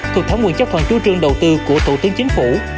thuộc tháng nguyên chấp thuận chú trương đầu tư của thủ tướng chính phủ